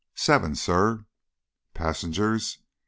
"Seven, sir." "Passengers?"